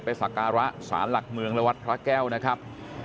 สักการะสารหลักเมืองและวัดพระแก้วนะครับ